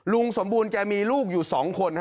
ลุงสมบูรณแกมีลูกอยู่๒คน